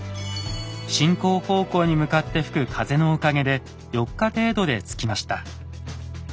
進行方向に向かって吹く風のおかげで４日程度で着きました。